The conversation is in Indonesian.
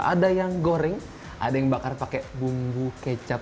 ada yang goreng ada yang bakar pakai bumbu kecap